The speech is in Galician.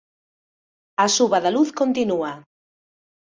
A suba da luz continúa.